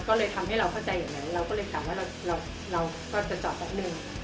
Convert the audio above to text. ก็เลยทำให้เราเข้าใจอย่างนั้นเราก็เลยกลับว่าเราก็จะจอดแป๊บหนึ่ง